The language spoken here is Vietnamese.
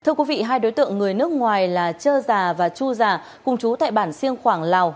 thưa quý vị hai đối tượng người nước ngoài là chơ già và chu già cùng chú tại bản siêng khoảng lào